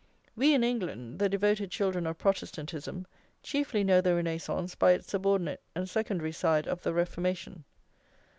We in England, the devoted children of Protestantism, chiefly know the Renascence by its subordinate and secondary side of the Reformation.